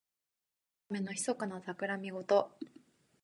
人を欺くためのひそかなたくらみごと。